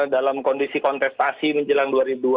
dalam kondisi kontestasi menjelang dua ribu dua puluh